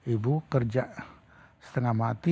ibu kerja setengah mati